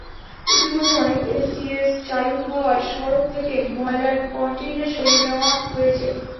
ইতিমধ্যে অনেক এসটিএস চালু হওয়ায় সড়ক থেকে ময়লার কনটেইনার সরিয়ে নেওয়া হয়েছে।